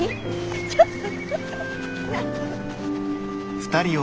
ちょっと。